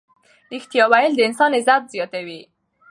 ریښتیا ویل د انسان عزت زیاتوي.